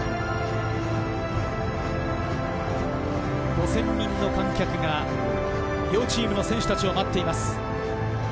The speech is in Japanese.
５０００人の観客が両チームの選手たちを待っています。